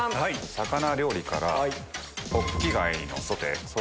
魚料理から。